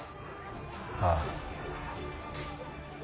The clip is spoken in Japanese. ああ。